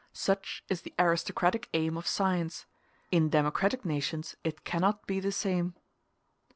Such is the aristocratic aim of science; in democratic nations it cannot be the same.